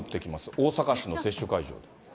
大阪市の接種会場で。